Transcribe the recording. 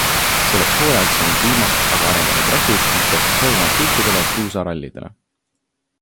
Selleks hooajaks on DMACK aga arendanud rehvid, mis peaksid sobima kõikidele kruusarallidele.